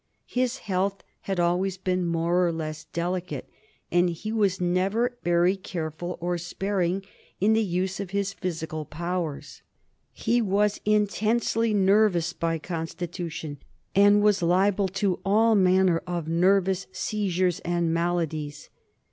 His health had always been more or less delicate, and he was never very careful or sparing in the use of his physical powers. He was intensely nervous by constitution, and was liable to all manner of nervous seizures and maladies.